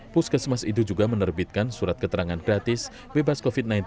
puskesmas itu juga menerbitkan surat keterangan gratis bebas covid sembilan belas